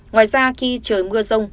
ngoài ra khi trời mưa rông